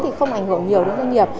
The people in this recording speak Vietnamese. thì không ảnh hưởng nhiều đến doanh nghiệp